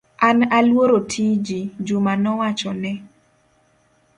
An aluoro tiji, Juma nowachone.